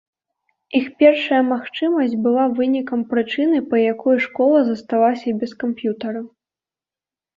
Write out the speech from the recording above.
Іх першая магчымасць была вынікам прычыны па якой школа засталася без камп'ютара.